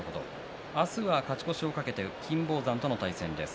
明日は勝ち越しを懸けて金峰山との対戦です。